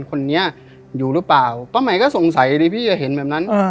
คนนี้อยู่หรือเปล่าป้าหมายก็สงสัยดิพี่จะเห็นแบบนั้น